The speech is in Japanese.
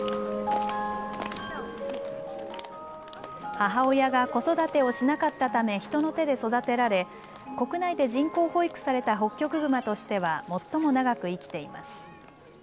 母親が子育てをしなかったため人の手で育てられ国内で人工哺育されたホッキョクグマとしては最も長く生きています。